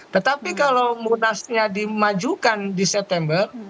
tetapi kalau munasnya dimajukan di september